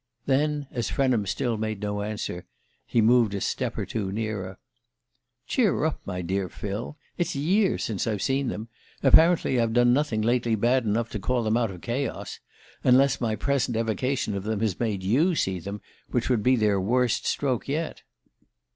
Then, as Frenham still made no answer, he moved a step or two nearer. "Cheer up, my dear Phil! It's years since I've seen them apparently I've done nothing lately bad enough to call them out of chaos. Unless my present evocation of them has made you see them; which would be their worst stroke yet!"